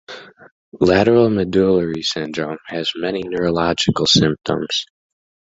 Lateral medullary syndrome has many neurological symptoms.